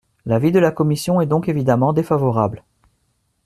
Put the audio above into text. L’avis de la commission est donc évidemment défavorable.